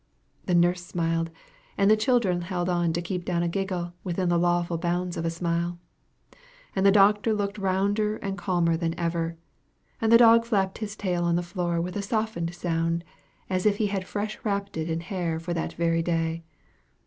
The nurse smiled, and the children held on to keep down a giggle within the lawful bounds of a smile; and the doctor looked rounder and calmer than ever; and the dog flapped his tail on the floor with a softened sound, as if he had fresh wrapped it in hair for that very day.